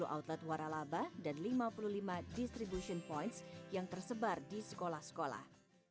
dua puluh outlet waralaba dan lima puluh lima distribution points yang tersebar di sekolah sekolah